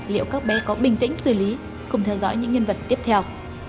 liệu các bé có bình tĩnh xử lý cùng theo dõi những nhân vật tiếp theo